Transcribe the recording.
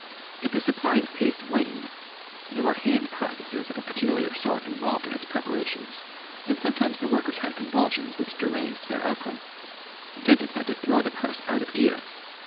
If the supply of paste waned there were hand processes of a peculiar sort involved in its preparation, and sometimes the workers had convulsions which deranged their output Denton had to throw the press out of gear.